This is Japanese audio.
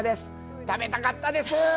食べたかったです！